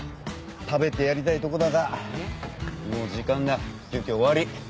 食べてやりたいとこだがもう時間だ休憩終わり。